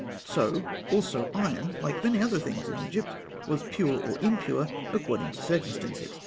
So also iron, like many other things in Egypt, was pure or impure according to circumstances.